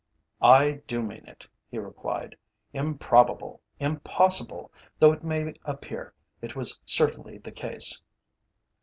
"I do mean it," he replied. "Improbable, impossible, though it may appear, it was certainly the case."